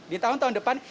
di tahun tahun depan